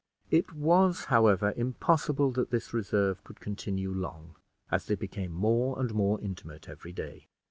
It was, however, impossible that this reserve could continue long, as they became more and more intimate every day.